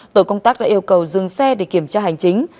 tổ công tác đã yêu cầu dừng xe để kiểm tra hành chính